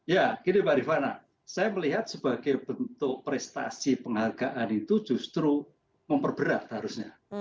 ya gini mbak rifana saya melihat sebagai bentuk prestasi penghargaan itu justru memperberat harusnya